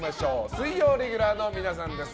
水曜レギュラーの皆さんです。